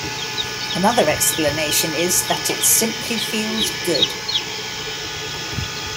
Another explanation is that it "simply feels good".